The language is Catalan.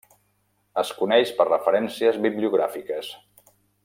Es coneix per referències bibliogràfiques.